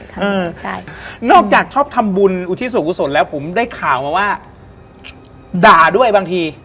เออใช่นอกจากชอบทำบุญอุทิศส่วนกุศลแล้วผมได้ข่าวมาว่าด่าด้วยบางที